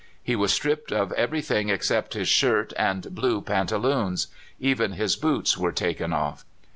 He was stripped of everything except his shirt and blue pantaloons; even his boots were taken off.